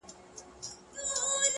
تا ولي هر څه اور ته ورکړل د یما لوري ـ